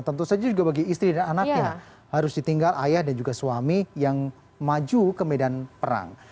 tentu saja juga bagi istri dan anaknya harus ditinggal ayah dan juga suami yang maju ke medan perang